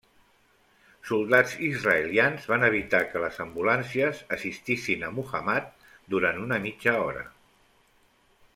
Soldats israelians van evitar que les ambulàncies assistissin a Muhammad durant una mitja hora.